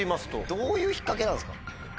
どういうひっかけなんですか？